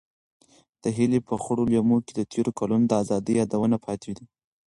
د هیلې په خړو لیمو کې د تېرو کلونو د ازادۍ یادونه پاتې وو.